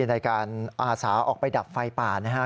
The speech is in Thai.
ในการอาสาออกไปดับไฟป่านะฮะ